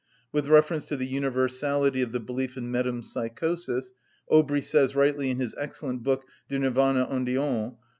With reference to the universality of the belief in metempsychosis, Obry says rightly, in his excellent book, "Du Nirvana Indien," p.